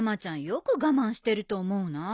よく我慢してると思うな。